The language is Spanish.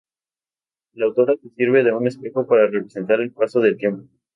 La autora se sirve de un espejo para representar el paso del tiempo.